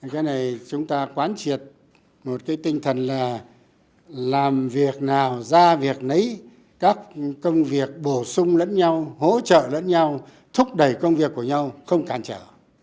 cái này chúng ta quán triệt một cái tinh thần là làm việc nào ra việc lấy các công việc bổ sung lẫn nhau hỗ trợ lẫn nhau thúc đẩy công việc của nhau không cản trở